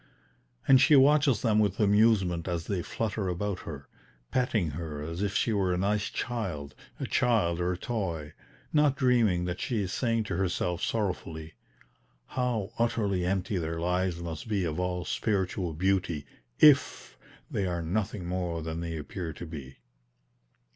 And she watches them with amusement as they flutter about her, petting her as if she were a nice child, a child or a toy, not dreaming that she is saying to herself sorrowfully: "How utterly empty their lives must be of all spiritual beauty IF they are nothing more than they appear to be."